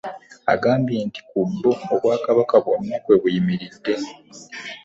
Agambye nti ku bo, obwakabaka bwonna kwe buyimiridde